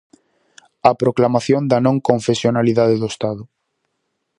A proclamación da non confesionalidade do Estado.